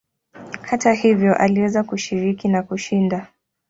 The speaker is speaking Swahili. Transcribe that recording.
Hata hivyo aliweza kushiriki na kushinda.